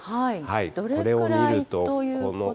どれくらいということでしょう。